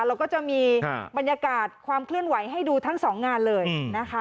เราก็จะมีบรรยากาศความเคลื่อนไหวให้ดูทั้งสองงานเลยนะคะ